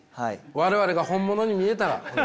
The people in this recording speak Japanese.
我々が本物に見えたら。